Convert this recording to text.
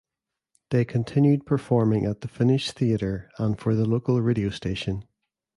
They continued performing at the Finnish theatre and for the local radio station.